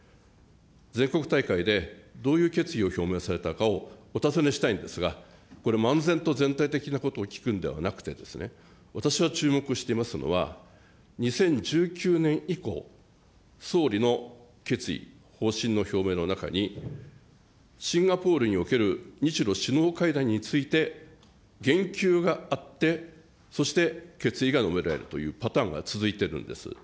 全国大会でどういう決意を表明されたかをお尋ねしたいんですが、これ、漫然と全体的なことを聞くんではなくてですね、私が注目していますのは、２０１９年以降、総理の決意、方針の表明の中に、シンガポールにおける日ロ首脳会談について言及があって、そして決意が述べられるというパターンが続いてるんです。